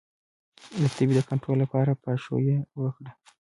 د تبې د کنټرول لپاره پاشویه وکړئ